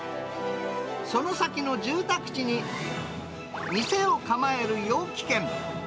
その先の住宅地に、店を構える陽気軒。